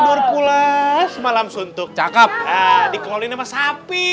malam suntuk dikolin sama sapi